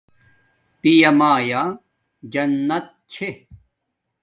پیامایا جنت چھے